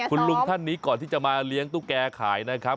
คุณลุงท่านนี้ก่อนที่จะมาเลี้ยงตุ๊กแกขายนะครับ